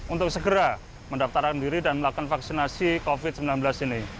untuk segera mendaftarkan diri dan melakukan vaksinasi covid sembilan belas ini